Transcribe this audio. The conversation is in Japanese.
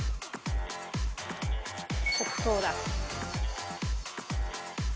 黒糖だ。